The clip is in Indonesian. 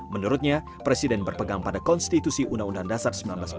menurutnya presiden berpegang pada konstitusi undang undang dasar seribu sembilan ratus empat puluh